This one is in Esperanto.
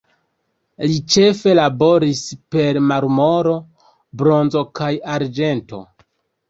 Li ĉefe laboris per marmoro, bronzo kaj arĝento.